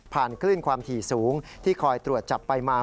คลื่นความถี่สูงที่คอยตรวจจับไปมา